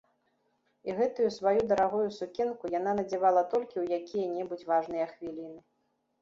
І гэтую сваю дарагую сукенку яна надзявала толькі ў якія-небудзь важныя хвіліны.